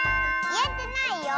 いえてないよ。